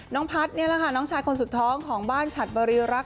พัฒน์นี่แหละค่ะน้องชายคนสุดท้องของบ้านฉัดบริรักษ